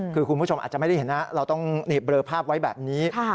คือคุณผู้ชมอาจจะไม่ได้เห็นนะเราต้องเบลอภาพไว้แบบนี้